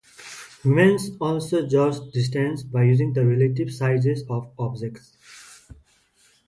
Humans also judge distance by using the relative sizes of objects.